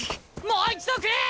もう一度くれ！